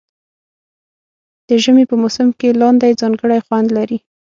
د ژمي په موسم کې لاندی ځانګړی خوند لري.